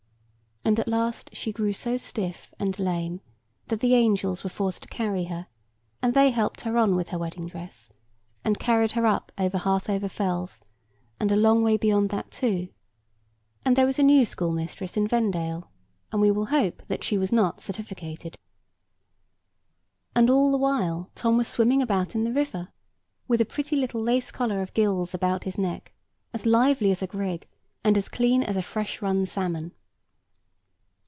And at last she grew so stiff and lame, that the angels were forced to carry her; and they helped her on with her wedding dress, and carried her up over Harthover Fells, and a long way beyond that too; and there was a new schoolmistress in Vendale, and we will hope that she was not certificated. And all the while Tom was swimming about in the river, with a pretty little lace collar of gills about his neck, as lively as a grig, and as clean as a fresh run salmon.